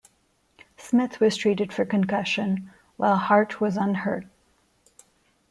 Smith was treated for concussion, while Hart was unhurt.